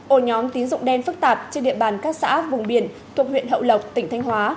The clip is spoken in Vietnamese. ổ nhóm tín dụng đen phức tạp trên địa bàn các xã vùng biển thuộc huyện hậu lộc tỉnh thanh hóa